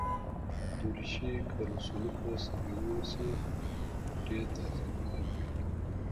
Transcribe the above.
دریشي که له سلوکه سره یوسې، ډېر تاثیرناک وي.